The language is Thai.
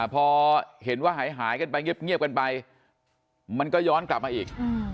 พอเห็นว่าหายกันไปเงียบกันไปมันก็ย้อนกลับมาอีก